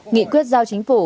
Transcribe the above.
nghị quyết giao chính phủ